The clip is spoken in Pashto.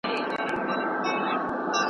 اول واري داسي خوشاله انسان وینم